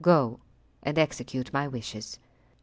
Go and execute my wishes."